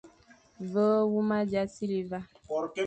Ve wé huma dia sighle va,